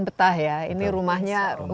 betah ya ini rumahnya